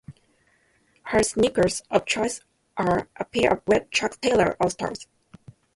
Her sneakers of choice are a pair of red Chuck Taylor All-Stars.